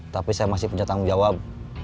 tapi saya masih punya tanggung jawab